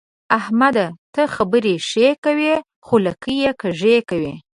احمده! ته خبرې ښې کوې خو لکۍ يې کږې کوي.